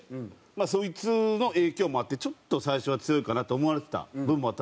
まあそいつの影響もあってちょっと最初は強いかなと思われてた部分もあったんでしょう。